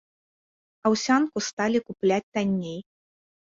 Аўсянку сталі купляць танней.